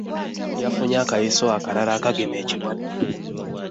Yafunye akayiso akalala akagema ekirwadde.